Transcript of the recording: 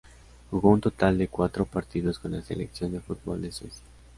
Jugó un total de cuatro partidos con la selección de fútbol de Suecia.